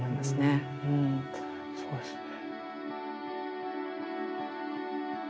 そうですね。